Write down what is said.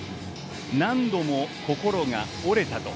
何度も心が折れたと。